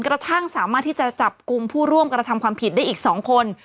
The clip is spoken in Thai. กระทั่งสามารถที่จะจับกลุ่มผู้ร่วมกระทำความผิดได้อีก๒คน